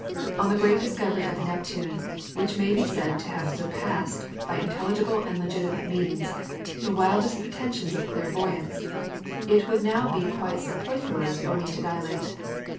On the great discovery of Neptune, which may be said to have surpassed, by intelligible and legitimate means, the wildest pretensions of clairvoyance, it Would now be quite superfluous for me to dilate.